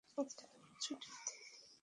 আজকে তোমার ছুটির দিন।